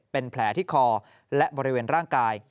เป็นแผลที่คอและบริเวณร่างกาย